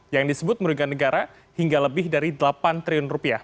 yang disebut merugikan negara hingga lebih dari rp delapan triliun